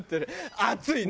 熱い。